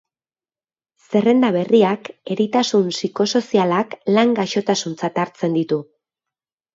Zerrenda berriak eritasun psikosozialak lan gaixotasuntzat hartzen ditu.